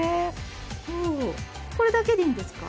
ほうこれだけでいいんですか？